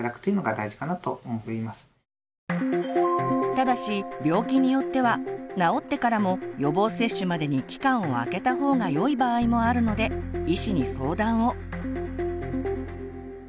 ただし病気によっては治ってからも予防接種までに期間をあけた方がよい場合もあるので医師に相談を。